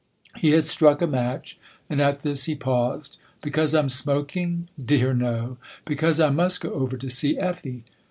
He had struck a match, and at this he paused. " Because I'm smoking ?"" Dear, no. Because I must go over to see Effie."